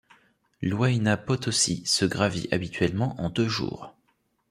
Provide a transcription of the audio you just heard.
L'Huayna Potosí se gravit habituellement en deux jours.